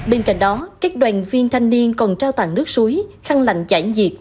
bên cạnh đó các đoàn viên thanh niên còn trao tặng nước suối khăn lạnh giãn diệt